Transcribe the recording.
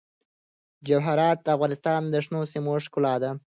جواهرات د افغانستان د شنو سیمو ښکلا ده.